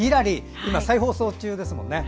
今、再放送中ですもんね。